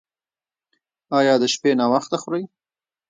ایا د شپې ناوخته خورئ؟